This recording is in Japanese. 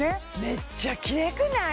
めっちゃキレイくない？